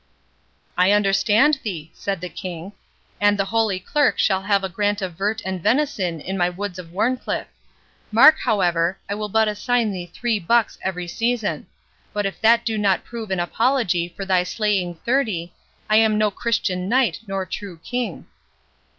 "I understand thee," said the King, "and the Holy Clerk shall have a grant of vert and venison in my woods of Warncliffe. Mark, however, I will but assign thee three bucks every season; but if that do not prove an apology for thy slaying thirty, I am no Christian knight nor true king."